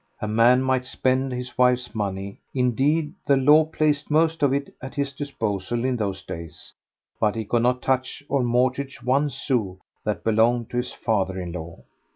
A man might spend his wife's money—indeed, the law placed most of it at his disposal in those days—but he could not touch or mortgage one sou that belonged to his father in law.